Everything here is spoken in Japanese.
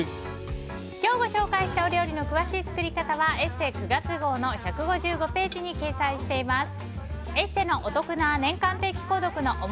今日、ご紹介した料理の詳しい作り方は「ＥＳＳＥ」９月号の１５５ページに掲載しています。